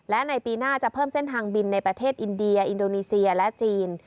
และในปีหน้าจะเพิ่มเส้นทางบินในประเทศอินเดียอินโดนีเซียและจีน